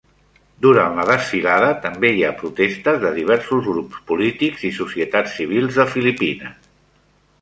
Durant la desfilada també hi ha protestes de diversos grups polítics i societats civils de Filipines.